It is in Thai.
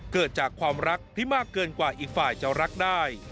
เกิดจากความรักที่มากเกินกว่าอีกฝ่ายจะรักได้